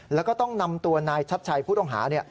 แล้วก็ต้องนำตัวนายชัดชัยผู้ต้องหา